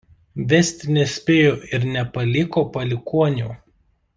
Vesti nespėjo ir nepaliko palikuonių.